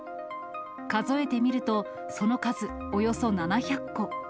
数えてみるとその数およそ７００個。